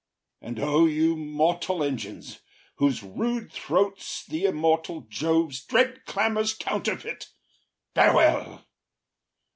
And, O you mortal engines, whose rude throats The immortal Jove’s dread clamours counterfeit, Farewell!